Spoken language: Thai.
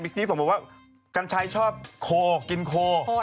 ไมค์ซีสนบอกว่ากันชายชอบโคกินโค